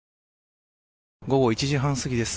午後１時半過ぎです。